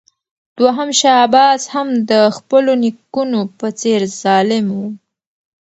دوهم شاه عباس هم د خپلو نیکونو په څېر ظالم و.